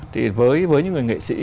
thì với những người nghệ sĩ